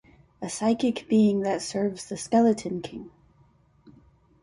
A psychic being that serves the Skeleton King.